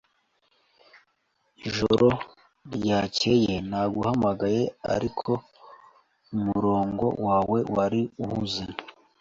Ijoro ryakeye naguhamagaye, ariko umurongo wawe wari uhuze.